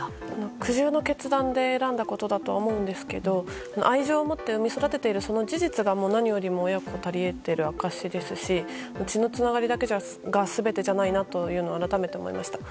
苦渋の決断で選んだことだと思うんですけど愛情をもって生み育てているその事実が何よりも親子たり得ている証しですし血のつながりだけが全てじゃないなというのを改めて思いました。